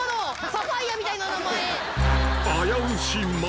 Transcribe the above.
サファイアみたいな名前。